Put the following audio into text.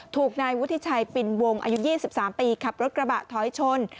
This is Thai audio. ถูกนายวุฒิชัยปินวงอายุ๒๓ปีขับรถกระบะถอยชน